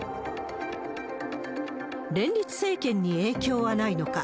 連立政権に影響はないのか。